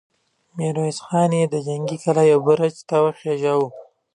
ميرويس خان يې د جنګي کلا يوه برج ته وخېژاوه!